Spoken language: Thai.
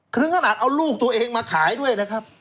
ถึงขนาดเอาลูกตัวเองมาขายด้วยนะครับ